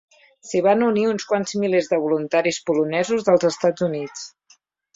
S'hi van unir uns quants milers de voluntaris polonesos dels Estats Units.